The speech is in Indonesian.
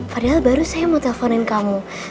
padahal baru saya mau teleponin kamu